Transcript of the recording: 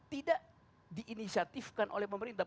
tidak diinisiatifkan oleh pemerintah